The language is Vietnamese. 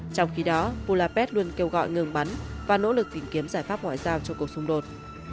trong khi đó vulate luôn kêu gọi ngừng bắn và nỗ lực tìm kiếm giải pháp ngoại giao cho cuộc xung đột